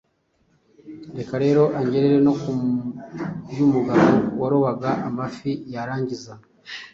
Reka rero angerere no ku by’umugabo warobaga amafi yarangiza